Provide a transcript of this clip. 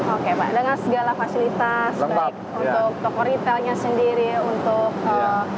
oke pak dengan segala fasilitas baik untuk toko retailnya sendiri untuk